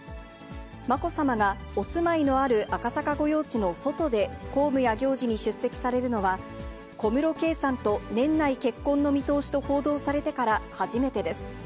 まこさまがお住まいのある赤坂御用地の外で公務や行事に出席されるのは、小室圭さんと年内結婚の見通しと報道されてから初めてです。